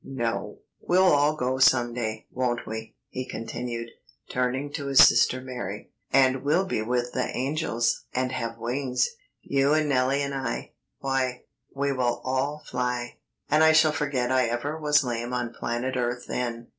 No, we'll all go some day, won't we?" he continued, turning to his sister Mary; "and we'll be with the angels and have wings. You and Nellie and I why, we will all fly, and I shall forget I ever was lame on planet earth then."